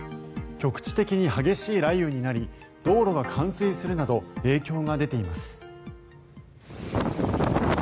局地的に激しい雷雨になり道路が冠水するなど影響が出ています。